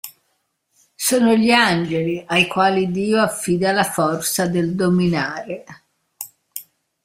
Sono gli Angeli ai quali Dio affida la forza del Dominare.